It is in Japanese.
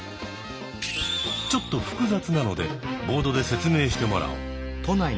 ちょっと複雑なのでボードで説明してもらおう。